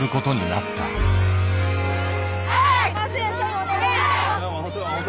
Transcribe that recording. お願いします。